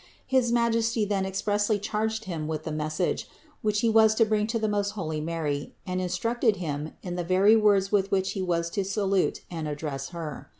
His Ma jesty then expressly charged him with the message, which he was to bring to the most holy Mary and in structed him in the very words with which he was to salute and address Her.